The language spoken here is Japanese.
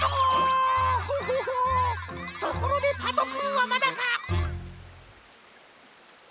ところでパトくんはまだか？